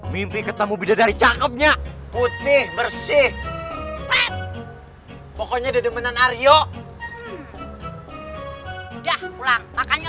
mimpi ketemu bidadari cakepnya putih bersih pokoknya dede menan aryo udah pulang makanya